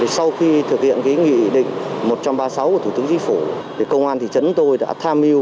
sau khi thực hiện nghị định một trăm ba mươi sáu của thủ tướng chính phủ công an thị trấn tôi đã tham mưu